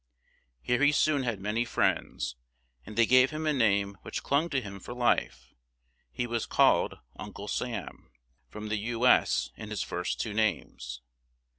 Here he soon had ma ny friends; and they gave him a name which clung to him for life; he was called "Uncle Sam," from the U. S. in his first two names.